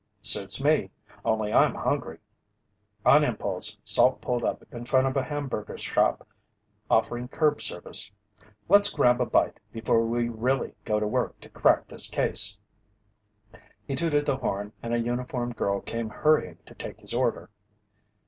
"Suits me, only I'm hungry." On impulse, Salt pulled up in front of a hamburger shop offering curb service. "Let's grab a bite before we really go to work to crack this case." He tooted the horn and a uniformed girl came hurrying to take his order.